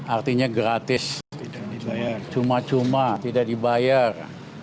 artinya gratis cuma cuma tidak dibayar